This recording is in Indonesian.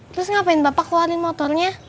terus ngapain bapak keluarin motornya